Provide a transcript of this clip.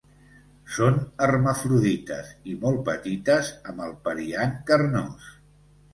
Són hermafrodites i molt petites, amb el periant carnós.